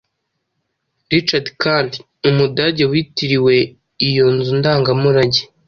Richard Kandt Umudage witiriwe iyo nzu ndangamurage